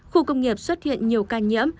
khu công nghiệp xuất hiện nhiều ca nhiễm